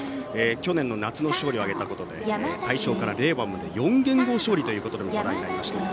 去年の夏、勝利を挙げたことで大正から令和まで４元号勝利ということで話題になりました。